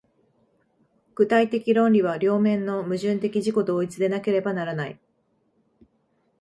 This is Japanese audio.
具体的論理は両面の矛盾的自己同一でなければならない。